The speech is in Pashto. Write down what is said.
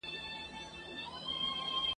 پاچهي د جهان ورکړې نه مړیږي..